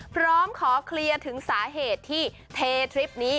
พร้อมขอเคลียร์ถึงสาเหตุที่เททริปนี้